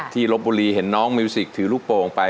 ลบบุรีเห็นน้องมิวสิกถือลูกโป่งไป